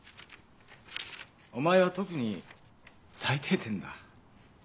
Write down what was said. お前は特に最低点だ。